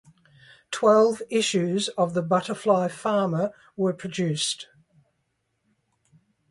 Twelve issues of the Butterfly Farmer were produced.